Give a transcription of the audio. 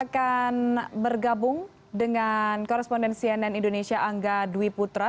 kita akan bergabung dengan koresponden cnn indonesia angga dwi putra